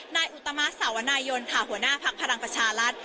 อุตมะสาวนายนค่ะหัวหน้าภักดิ์พลังประชารัฐ